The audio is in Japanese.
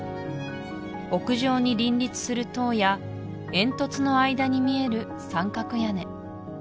屋上に林立する塔や煙突の間に見える三角屋根